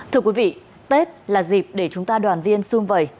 thưa quý vị tết là dịp để chúng ta đoàn viên xung vầy